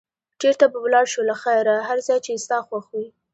چېرته به ولاړ شو له خیره؟ هر ځای چې ستا خوښ وي.